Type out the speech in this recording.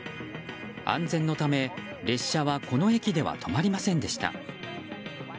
安全のため、列車はこの駅では止まりませんでした。